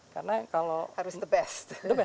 karena kalau harus the best